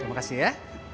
terima kasih ya